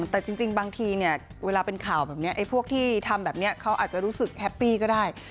แต่จริงบางทีเนี่ยเวลาเป็นข่าวแบบนี้ไอ้พวกที่ทำแบบนี้เขาอาจจะรู้สึกแฮปปี้ก็ได้